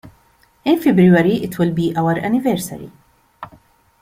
In February it will be our anniversary.